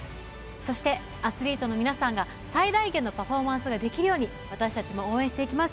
そして、アスリートの皆さんが最大限のパフォーマンスができるように私たちも応援していきます。